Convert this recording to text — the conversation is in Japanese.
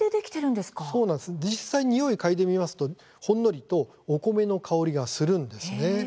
実際、匂いをかいでみますとほんのりとお米の香りがするんです。